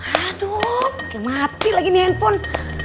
aduh gak mati lagi nih handphone